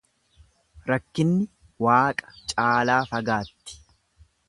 Rakkinni waaqa caalaa fagaatti.